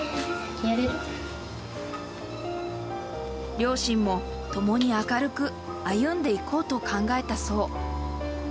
両親も、共に明るく歩んでいこうと考えたそう。